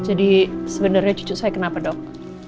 sebenarnya cucu saya kenapa dok